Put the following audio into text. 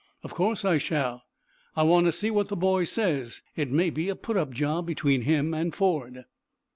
"Of course I shall. I want to see what the boy says. It may be a put up job between him and Ford."